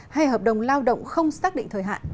hay hợp đồng lao động không xác định thời hạn